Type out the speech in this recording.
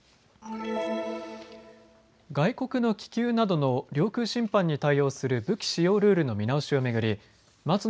外国の気球などの領空侵犯に対応する武器使用ルールの見直しを巡り松野